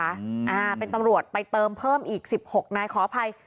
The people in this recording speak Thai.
อ่าเป็นตำรวจไปเติมเพิ่มอีกสิบหกนายขออภัย